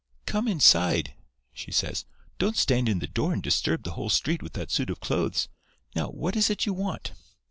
"'Come inside,' she says. 'Don't stand in the door and disturb the whole street with that suit of clothes. Now, what is it you want?